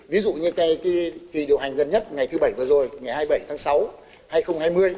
ví dụ như kỳ điều hành gần nhất ngày thứ bảy vừa rồi ngày hai mươi bảy tháng sáu hai nghìn hai mươi